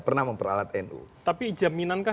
pernah memperalat nu tapi jaminankah